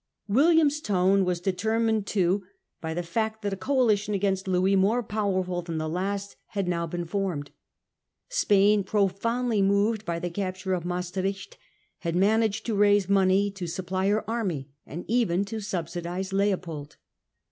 William's tone was determined too by the fact that a coalition against Louis, more powerful than the last, had now been formed. Spain, profoundly moved by the i 673 Peace between England and the Dutch. 219 capture of Maestricht, had managed to raise money to supply her army, and^ even to subsidise Leopold.